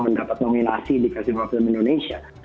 yang dapat nominasi di kasih buah film indonesia